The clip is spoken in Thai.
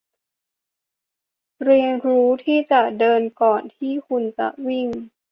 เรียนรู้ที่จะเดินก่อนที่คุณจะวิ่ง